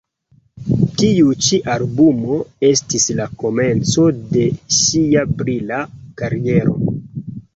Tiu ĉi albumo estis la komenco de ŝia brila kariero.